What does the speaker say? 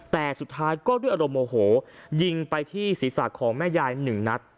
แต่สุดท้ายก็ด้วยอารมณ์โมโหยิงไปที่ศีรษะของแม่ยายหนึ่งนัด